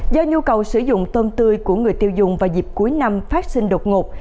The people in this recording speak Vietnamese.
do nhu cầu sử dụng tôm tươi của người tiêu dùng vào dịp cuối năm phát sinh đột ngột